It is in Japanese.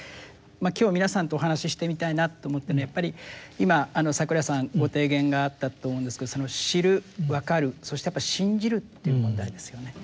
今日皆さんとお話ししてみたいなと思ってるのはやっぱり今櫻井さんご提言があったと思うんですけど知るわかるそして信じるという問題ですよね。